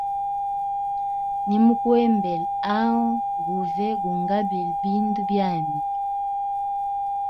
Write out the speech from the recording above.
Nimukuembela oaho guve gu ngabile bindu byami.